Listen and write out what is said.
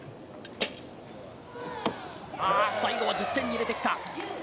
最後は１０点に入れてきた。